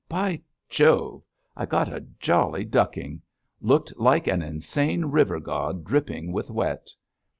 By Jove! I got a jolly ducking; looked like an insane river god dripping with wet.'